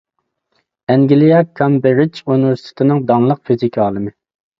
ئەنگلىيە كامبىرىج ئۇنىۋېرسىتېتىنىڭ داڭلىق فىزىكا ئالىمى.